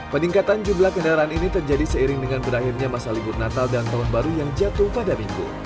peningkatan jumlah kendaraan ini terjadi seiring dengan berakhirnya masa libur natal dan tahun baru yang jatuh pada minggu